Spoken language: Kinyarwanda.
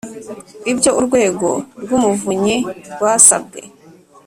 Ibyo Urwego rw Umuvunyi rwasabwe